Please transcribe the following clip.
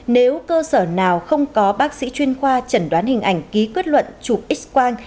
nếu cơ sở nào không có bác sĩ chuyên khoa chẩn đoán hình ảnh ký kết luận chụp x quang